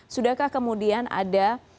sudahkah kemudian ada